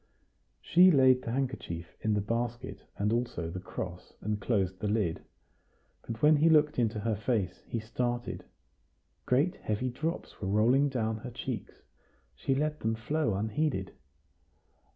She laid the handkerchief in the basket, and also the cross, and closed the lid. But when he looked into her face, he started. Great heavy drops were rolling down her cheeks; she let them flow unheeded.